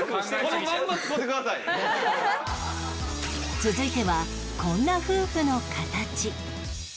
続いてはこんな夫婦のカタチ